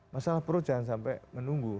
masalah perut jangan sampai menunggu